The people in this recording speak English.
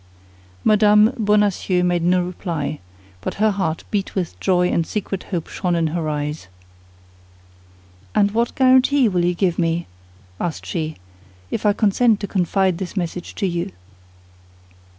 Mme. Bonacieux made no reply; but her heart beat with joy and secret hope shone in her eyes. "And what guarantee will you give me," asked she, "if I consent to confide this message to you?"